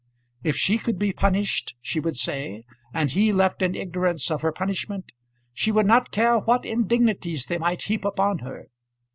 If she could be punished, she would say, and he left in ignorance of her punishment, she would not care what indignities they might heap upon her.